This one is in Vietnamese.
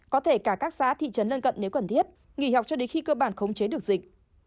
có thể cả các xã thị trấn lân cận nếu cần thiết nghỉ học cho đến khi cơ bản khống chế được dịch